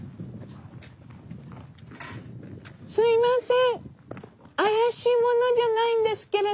すいません。